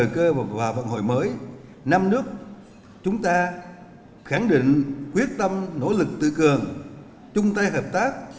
chúng ta khẳng định quyết tâm nỗ lực tự cường chung tay hợp tác